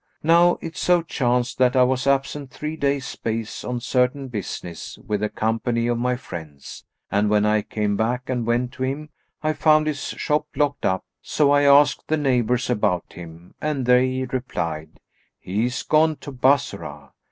Now it so chanced that I was absent three days' space on certain business with a company of my friends; and, when I came back and went to him, I found his shop locked up; so I asked the neighbours about him and they replied, 'He is gone to Bassorah.'